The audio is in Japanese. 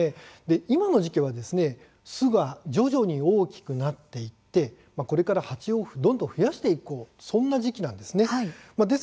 今の時期は巣が徐々に大きくなってこれから蜂をどんどん増やしていこう、そんな時期なんです。